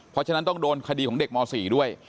เพราะฉะนั้นต้องโดนขดีของเด็กม๔ด้วยแยกเป็นสองสำนวน